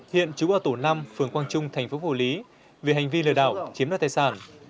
hiện trú vào tổ năm phường quang trung thành phố hồ lý vì hành vi lừa đảo chiếm đoạt tài sản